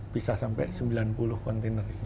bisa sampai sembilan puluh kontainer di sini